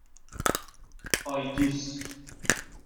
آیدیس